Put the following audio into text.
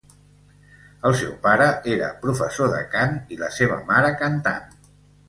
El seu pare era professor de cant i la seva mare cantant.